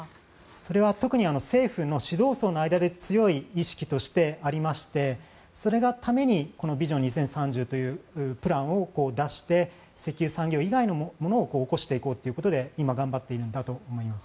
それは特に政府の指導層の間で強い意識としてありましてそれがためにこのビジョン２０３０というプランを出して石油産業以外のものを起こしていこうということで今、頑張っているんだと思います。